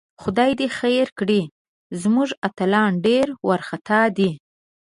خدای دې خیر کړي، زموږ اتلان ډېر وارخطاء دي